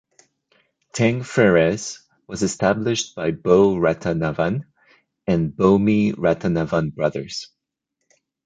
Tang Frères was established by Bou Rattanavan and Bounmy Rattanavan Brothers.